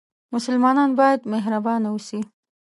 مسلمان باید مهربانه اوسي